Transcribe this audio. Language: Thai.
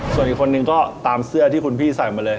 ส่วนอีกคนนึงก็ตามเสื้อที่คุณพี่ใส่มาเลย